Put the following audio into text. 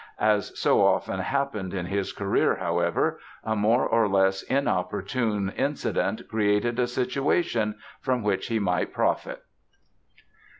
As so often happened in his career, however, a more or less inopportune incident created a situation from which he might profit.